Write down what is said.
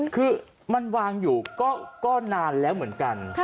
คือมันวางอยู่ก็นานแล้วเหมือนกัน